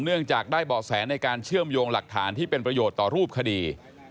เนื่องจากได้เบาะแสในการเชื่อมโยงหลักฐานที่เป็นประโยชน์ต่อรูปคดี